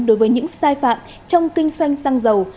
đối với những sai phạm trong kinh doanh xăng dầu